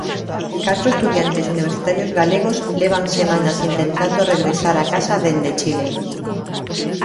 Catro estudantes universitarios galegos levan semanas intentando regresar á casa dende Chile.